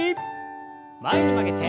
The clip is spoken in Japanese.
前に曲げて。